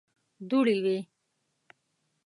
دوړې وې.